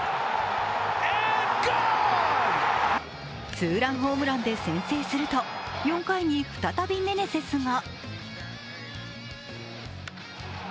ツーランホームランで先制すると、４回に再びメネセスが。